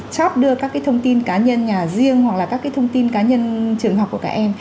chop đưa các cái thông tin cá nhân nhà riêng hoặc là các cái thông tin cá nhân trường học của các em